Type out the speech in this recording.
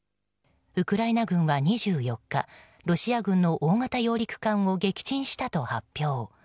ウクライナ軍は２４日ロシア軍の大型揚陸艦を撃沈したと発表。